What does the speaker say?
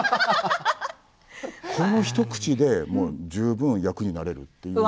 この一口で十分、役になれる。